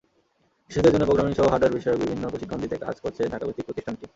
শিশুদের জন্য প্রোগ্রামিংসহ, হার্ডওয়্যার বিষয়ক বিভিন্ন প্রশিক্ষণ দিতে কাজ করছে ঢাকাভিত্তিক প্রতিষ্ঠানটি।